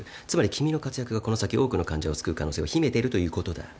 つまり君の活躍がこの先多くの患者を救う可能性を秘めてるということだ。